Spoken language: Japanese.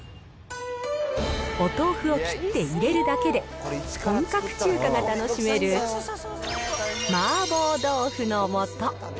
お豆腐を切って入れるだけで、本格中華が楽しめる麻婆豆腐の素。